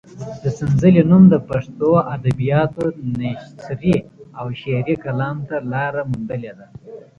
د سنځلې نوم د پښتو ادبیاتو نثري او شعري کلام ته لاره موندلې ده.